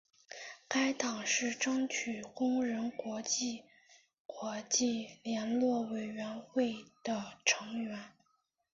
该党是争取工人国际国际联络委员会的成员。